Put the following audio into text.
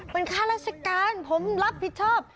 เป็นค่าราชการผมรับผิดชอบ